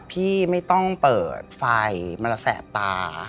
พี่ไม่ต้องเปิดไฟมันระแสบตา